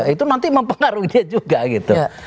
itu nanti mempengaruhi dia juga gitu